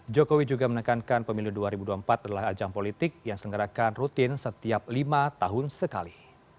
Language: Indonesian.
jokowi juga menekankan pemilu dua ribu dua puluh empat adalah ajang politik yang selenggarakan rutin setiap lima tahun sekali